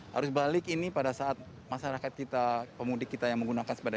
harus balik ini pada saat masyarakat kita pemudik kita yang menggunakan sepeda